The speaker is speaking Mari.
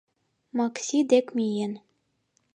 — Макси дек миен.